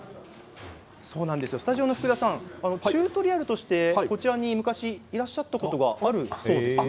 スタジオの福田さんチュートリアルとして、こちらにロケでいらっしゃったことがあるそうですね。